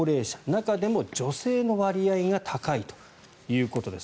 中でも女性の割合が高いということです。